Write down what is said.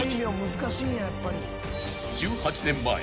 ［１８年前。